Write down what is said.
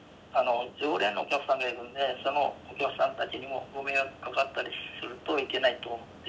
「常連のお客さんがいるんでそのお客さんたちにもご迷惑がかかったりするといけないと思って」